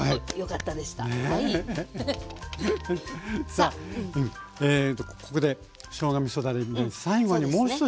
さあここでしょうがみそだれ最後にもう１品